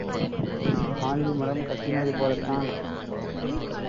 Aunty மடம் கட்டினது போலத்தான்.